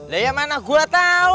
lah ya mana gue tau